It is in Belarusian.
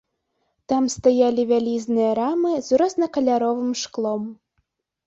Там стаялі вялізныя рамы з рознакаляровым шклом.